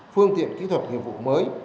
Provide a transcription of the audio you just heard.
phương tiện kỹ thuật nghiệp vụ mới